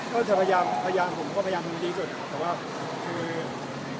ก็เธอพยายามผมพยายามทำที่ที่สุด